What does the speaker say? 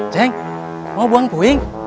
ceng mau buang puing